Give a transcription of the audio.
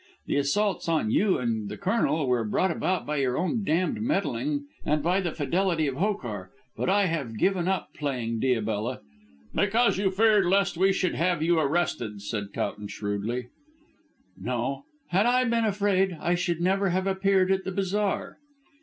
The assaults on you and the Colonel were brought about by your own damned meddling and by the fidelity of Hokar. But I have given up playing Diabella " "Because you feared lest we should have you arrested," said Towton shrewdly. "No. Had I been afraid I should never have appeared at the bazaar."